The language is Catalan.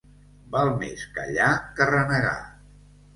Val més callar que renegar.